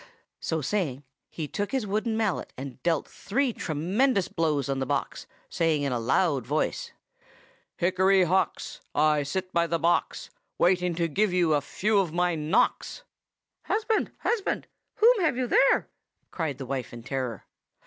So saying, he took his wooden mallet and dealt three tremendous blows on the box, saying in a loud voice,— 'Hickory Hox! I sit by the box, Waiting to give you a few of my knocks. "'Husband, husband! whom have you there?' cried the wife in terror.